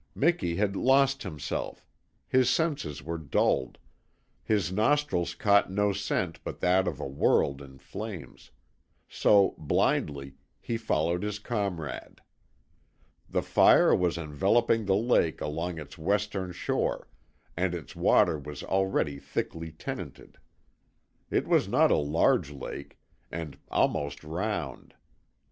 Miki had "lost" himself; his senses were dulled; his nostrils caught no scent but that of a world in flames so, blindly, he followed his comrade. The fire was enveloping the lake along its western shore, and its water was already thickly tenanted. It was not a large lake, and almost round.